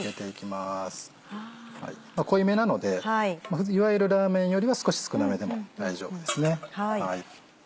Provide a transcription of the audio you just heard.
まぁ濃いめなのでいわゆるラーメンよりは少し少なめでも大丈夫ですね。